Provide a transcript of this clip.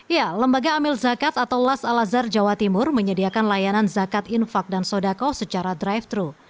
ya lembaga amil zakat atau las al azhar jawa timur menyediakan layanan zakat infak dan sodako secara drive thru